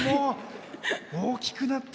大きくなって。